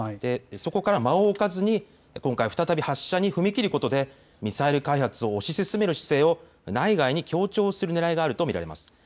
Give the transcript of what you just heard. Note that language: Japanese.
そこから間を置かずに今回再び発射に踏み切ることでミサイル開発を押し切る姿勢を内外に強調するねらいがあると見られます。